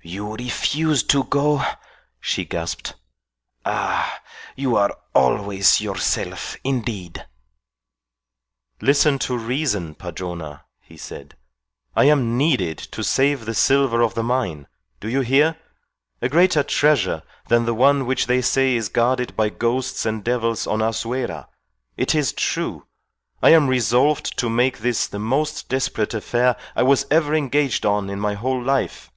"You refuse to go?" she gasped. "Ah! you are always yourself, indeed." "Listen to reason, Padrona," he said. "I am needed to save the silver of the mine. Do you hear? A greater treasure than the one which they say is guarded by ghosts and devils on Azuera. It is true. I am resolved to make this the most desperate affair I was ever engaged on in my whole life."